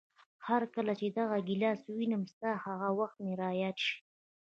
هرکله چې دغه ګیلاس ووینم، ستا هغه وخت مې را یاد شي.